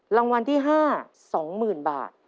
รางวัลที่๕๒๐๐๐บาท